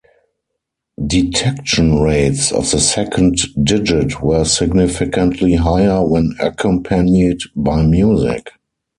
Detection rates of the second digit were significantly higher when accompanied by music.